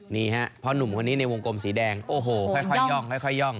นี่ฮะพ่อหนุ่มคนนี้ในวงกลมสีแดงโอ้โหค่อยย่องค่อยย่อง